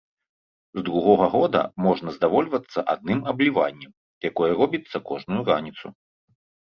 З другога года можна здавольвацца адным абліваннем, якое робіцца кожную раніцу.